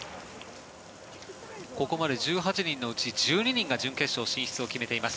ここまで１８人のうち１２人が準決勝進出を決めています。